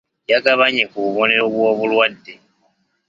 Yagabanye ku bubonero bw'obulwadde.